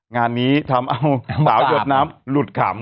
งานนี้ทำเอาสาวหยดน้ำหลุดขำ